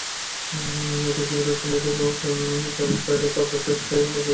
এতে শিবিরের চিহ্নিত ক্যাডার পাগলা শহীদ পায়ে গুলিবিদ্ধ হয়ে মাটিতে লুটিয়ে পড়েন।